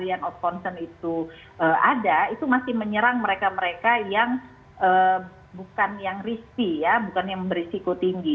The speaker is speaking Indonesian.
kalau yang out of concern itu ada itu masih menyerang mereka mereka yang bukan yang risiko tinggi